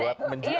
buat menjiar itu